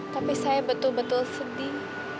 tapi saya betul betul sedih